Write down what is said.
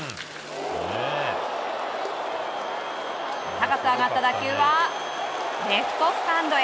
高く上がった打球はレフトスタンドへ。